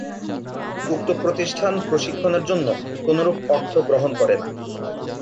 উক্ত প্রতিষ্ঠান প্রশিক্ষণের জন্য কোনোরূপ অর্থ গ্রহণ করে না।